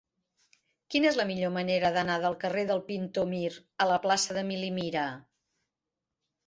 Quina és la millor manera d'anar del carrer del Pintor Mir a la plaça d'Emili Mira?